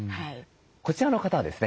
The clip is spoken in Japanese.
こちらの方はですね